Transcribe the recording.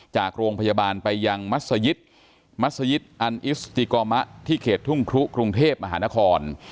จากโรงพยาบาลไปยังมัศยิตมัศยิตอันอิสติกอมะที่เขตทุ่งครุกรุงเทพมหานคร